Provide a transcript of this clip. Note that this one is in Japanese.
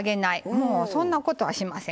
もうそんなことはしません。